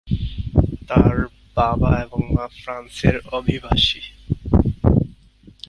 তার বাবা এবং মা ফ্রান্স এর অভিবাসী।